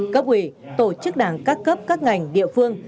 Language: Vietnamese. cấp ủy tổ chức đảng các cấp các ngành địa phương